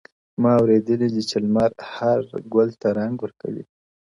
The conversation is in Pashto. ما اورېدلي دې چي لمر هر گل ته رنگ ورکوي.